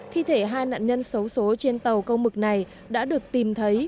thi thể hai nạn nhân xấu xố trên tàu câu mực này đã được tìm thấy